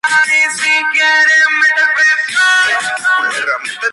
El Jalpa fue el sucesor del modelo anterior y similar, el Lamborghini Silhouette.